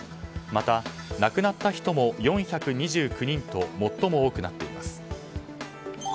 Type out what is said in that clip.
また、亡くなった人も４２９人と最も多くなっています。